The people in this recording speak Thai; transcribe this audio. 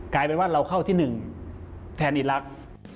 กลายเป็นว่าเราเข้าที่๑แทนอีลักษณ์